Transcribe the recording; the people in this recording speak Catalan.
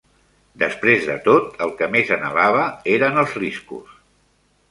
Després de tot, el que més anhelava eren els riscos.